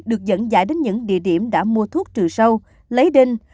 được dẫn dãi đến những địa điểm đã mua thuốc trừ sâu lấy đinh